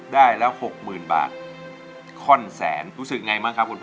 ได้ละ๖๐๐๐๐บาทคนแสนรู้สึกยังไงมั้งคะคุณพ่อ